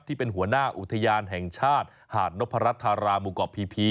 ที่เป็นหัวหน้าอุทยานแห่งชาติหาดนพรัชธารามูเกาะพี